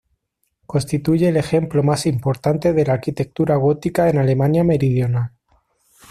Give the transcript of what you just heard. Constituye el ejemplo más importante de la arquitectura gótica en Alemania Meridional.